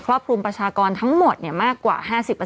รอบคลุมประชากรทั้งหมดมากกว่า๕๐